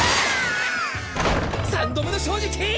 ３度目の正直ー！